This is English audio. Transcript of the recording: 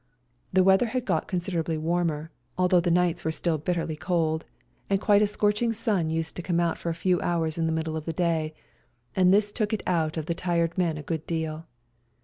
The weather had got considerably warmer, ELBASAN 161 although the nights were still bitterly cold, and quite a scorching sun used to come out for a few hours in the middle of the day, and this took it out of the tired men a good deal.